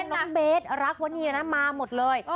น้องโบ๊ทน้องเบสรักวะเนียนะมาหมดเลย